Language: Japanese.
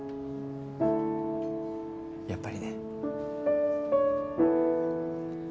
やっぱりね。